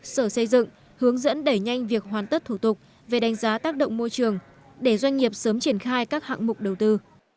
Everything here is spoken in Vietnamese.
sở xây dựng hướng dẫn đẩy nhanh việc hoàn tất thủ tục về đánh giá tác động môi trường để doanh nghiệp sớm triển khai các hạng mục đầu tư